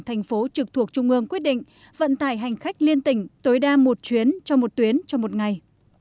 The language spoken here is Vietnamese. tp hcm quyết định vận tải hành khách liên tỉnh tối đa một chuyến cho một tuyến cho một ngày